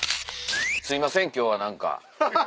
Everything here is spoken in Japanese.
すいません今日は何か。